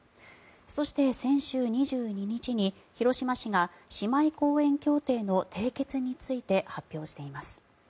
そして、先週２２日に広島市が姉妹公園協定の締結について発表しています。